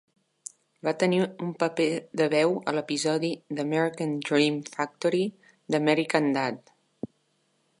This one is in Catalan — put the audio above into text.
Va tenir un paper de veu a l'episodi d'"American Dream Factory" d'"American Dad!".